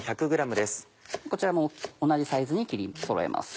こちらも同じサイズに切りそろえます。